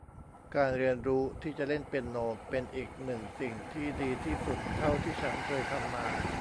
การเรียนรู้ที่จะเล่นเปียโนเป็นอีกหนึ่งสิ่งที่ดีที่สุดเท่าที่ฉันเคยทำมา